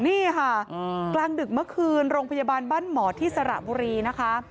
นี่ค่ะกลางดึกเมื่อคืนโรงพยาบาลบ้านหมอที่สระบุรีนะคะ